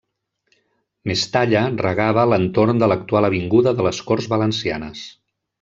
Mestalla regava l'entorn de l'actual avinguda de les Corts Valencianes.